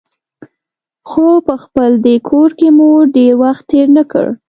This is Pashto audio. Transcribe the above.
خو په خپل دې کور کې مو ډېر وخت تېر نه کړ.